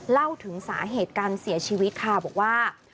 เล่าถึงสาเหตุการเสียชีวิตค่ะบอกว่า